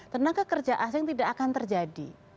tenaga kerja asing tidak akan terjadi